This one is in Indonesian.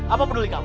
apa peduli kamu